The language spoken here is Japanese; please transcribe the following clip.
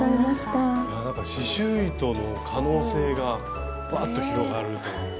刺しゅう糸の可能性がバッと広がるというか。